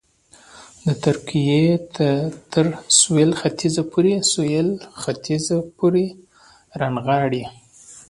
د ترکیې تر سوېل ختیځ پورې رانغاړي.